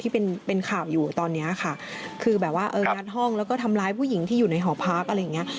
ที่เป็นเป็นข่าวอยู่ตอนเนี้ยค่ะคือแบบว่าเอองัดห้องแล้วก็ทำร้ายผู้หญิงที่อยู่ในหอพักอะไรอย่างเงี้ย